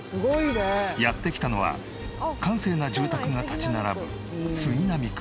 やって来たのは閑静な住宅が立ち並ぶ杉並区。